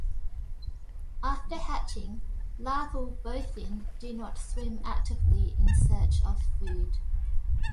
After hatching, larval bowfin do not swim actively in search of food.